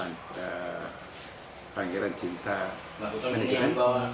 dan pangeran cinta